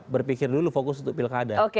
berpikir dulu fokus untuk pilkada